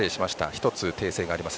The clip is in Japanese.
一つ訂正があります。